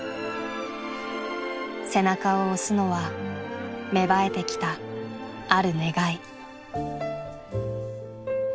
背中を押すのは芽生えてきたある願い。